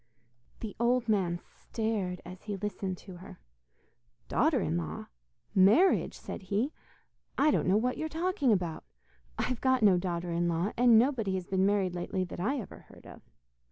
The old man stared as he listened to her. 'Daughter in law? Marriage?' said he. 'I don't know what you are talking about! I've got no daughter in law, and nobody has been married lately, that I ever heard of.